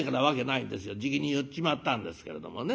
じきに結っちまったんですけれどもね。